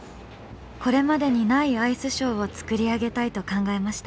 これまでにないアイスショーを作り上げたいと考えました。